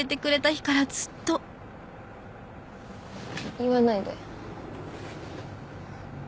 言わないで。